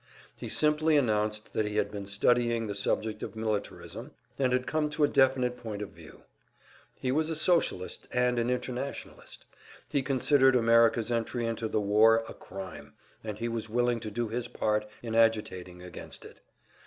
He simply announced that he had been studying the subject of militarism, and had come to a definite point of view. He was a Socialist and an Internationalist; he considered America's entry into the war a crime, and he was willing to do his part in agitating against it.